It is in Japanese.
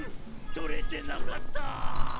とれてなかった！